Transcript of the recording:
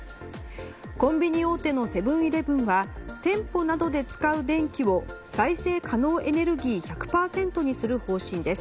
コンビニ大手のセブン‐イレブンは店舗などで使う電気を再生可能エネルギー１００％にする方針です。